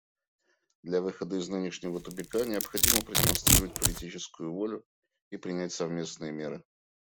Для выхода из нынешнего тупика необходимо продемонстрировать политическую волю и принять совместные меры.